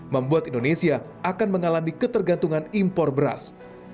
membuat indonesia akan mengalami ketergantungan impor beras